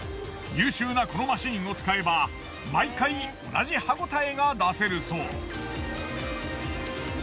優秀なこのマシンを使えば毎回同じ歯ごたえが出せるそう。